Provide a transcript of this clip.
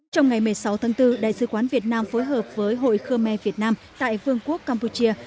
trong ngày một mươi sáu tháng bốn đại sứ quán việt nam phối hợp với hội khơ me việt nam tại vương quốc campuchia